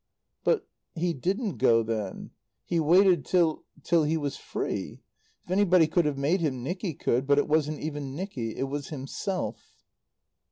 "But he didn't go then. He waited till till he was free. If anybody could have made him, Nicky could. But it wasn't even Nicky. It was himself."